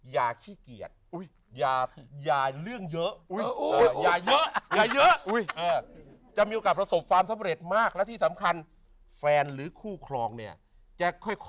อย่าขี้เกียจ